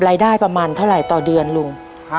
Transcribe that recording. รายได้ประมาณเท่าไหร่ต่อเดือนลุง